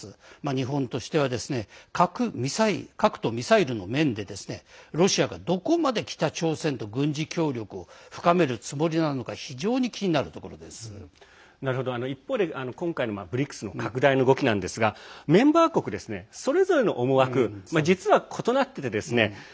日本としては核とミサイルの面でロシアがどこまで北朝鮮と軍事協力を深めるつもりなのか一方で、今回のＢＲＩＣＳの拡大の動きなんですがメンバー国、それぞれの思惑実は異なっててですね